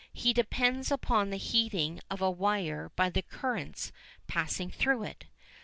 He depends upon the heating of a wire by the currents passing through it.